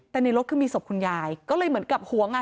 แต่ในรถคือมีศพคุณยายก็เลยเหมือนกับหวงอ่ะ